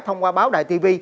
thông qua báo đài tv